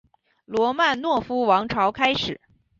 罗曼诺夫王朝开始。